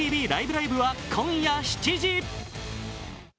ライブ！」は今夜７時！